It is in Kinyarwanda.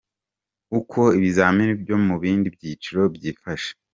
Uko ibizamini byo mu bind byiciro byifashe.